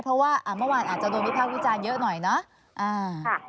เพราะว่าเมื่อวานอาจจะโดนวิพากษ์วิจารณ์เยอะหน่อยเนาะ